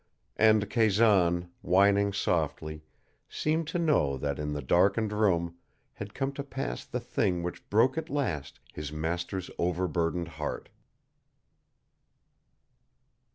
And Kazan, whining softly, seemed to know that in the darkened room had come to pass the thing which broke at last his master's overburdened heart.